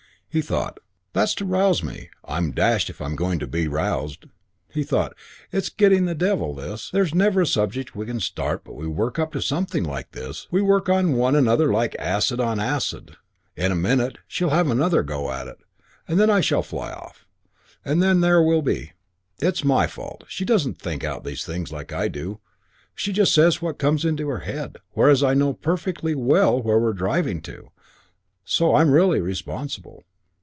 He thought, "That's to rouse me. I'm dashed if I'm going to be roused." He thought, "It's getting the devil, this. There's never a subject we start but we work up to something like this. We work on one another like acid on acid. In a minute she'll have another go at it, and then I shall fly off, and then there we'll be. It's my fault. She doesn't think out these things like I do. She just says what comes into her head, whereas I know perfectly well where we're driving to, so I'm really responsible.